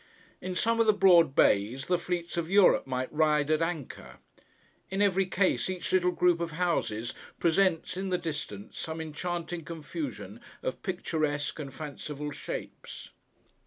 In some of the broad bays, the fleets of Europe might ride at anchor. In every case, each little group of houses presents, in the distance, some enchanting confusion of picturesque and fanciful shapes.